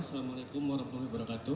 assalamu'alaikum warahmatullahi wabarakatuh